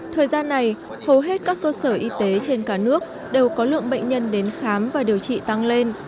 thời gian này hầu hết các cơ sở y tế trên cả nước đều có lượng bệnh nhân đến khám và điều trị tăng lên